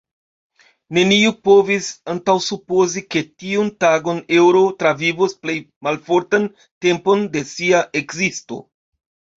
Neniu povis antaŭsupozi, ke tiun tagon eŭro travivos plej malfortan tempon de sia ekzisto.